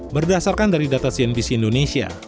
berdasarkan dari data cnbc indonesia